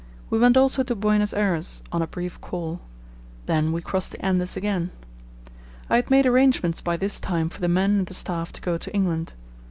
We went also to Buenos Ayres on a brief call. Then we crossed the Andes again. I had made arrangements by this time for the men and the staff to go to England.